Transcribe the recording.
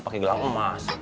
pake gelang emas